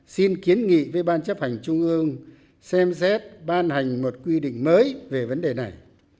xin kiến nghị với ban chấp hành trung ương xem xét ban hành một quy định mới về vấn đề này